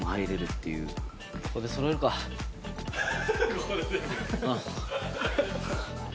ここで全部⁉うん。